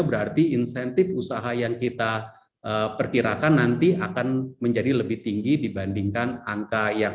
berarti insentif usaha yang kita perkirakan nanti akan menjadi lebih tinggi dibandingkan angka yang